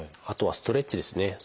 あとはストレッチですね。